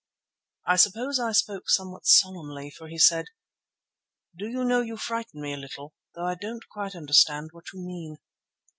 I suppose I spoke somewhat solemnly, for he said, "Do you know you frighten me a little, though I don't quite understand what you mean."